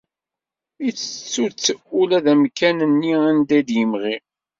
Ittettu-t ula d amkan-nni anda i d-imɣi.